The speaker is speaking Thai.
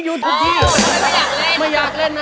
อะเอาแค่นี้ก่อน